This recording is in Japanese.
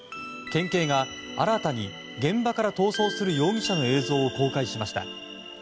県警が新たに現場から逃走する容疑者の映像を公開しました。